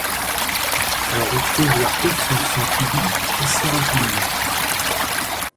Elle retrouve la haute fonction publique assez rapidement.